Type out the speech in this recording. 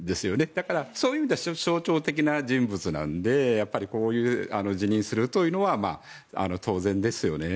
だから、そういう意味では象徴的な人物なのでこういう辞任するというのは当然ですよね。